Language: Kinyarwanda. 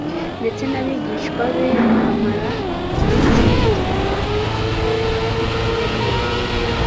ndetse n'abigishwa be, bahamara iminsi mike. Pasika y'Abayuda yari yegereje,